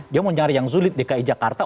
dia mau nyari yang sulit dki jakarta